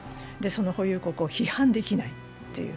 その保有国を批判できないという。